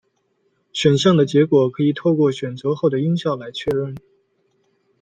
选项的结果可以透过选择后的音效来确认。